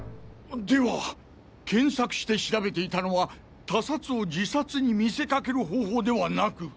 では検索して調べていたのは他殺を自殺に見せかける方法ではなく。